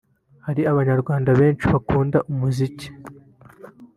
hari Abanyarwanda benshi bakunda umuziki